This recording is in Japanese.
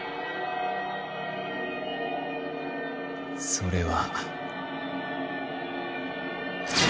それは。